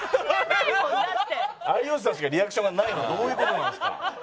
有吉さんしかリアクションがないのどういう事なんですか？